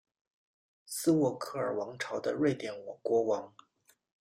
斯渥克尔王朝的瑞典国王。